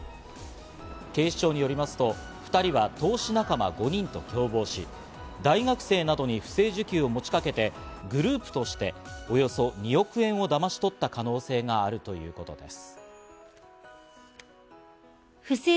警視庁によりますと、２人は投資仲間５人と共謀し、大学生などに不正受給を持ちかけ、グループとしておよそ２億円をだまし取った可能性があるということです。